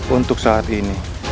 untuk saat ini